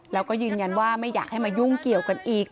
แล้วก็ยืนยันว่าไม่อยากให้มายุ่งเกี่ยวกันอีก